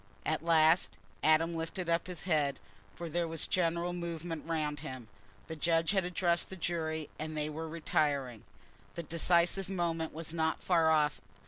At last Adam lifted up his head, for there was a general movement round him. The judge had addressed the jury, and they were retiring. The decisive moment was not far off.